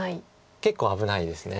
結構危ないです。